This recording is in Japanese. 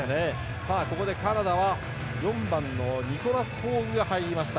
ここでカナダは４番のニコラス・ホーグが入りました。